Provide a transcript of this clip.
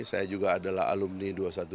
saya juga adalah alumni dua ratus dua belas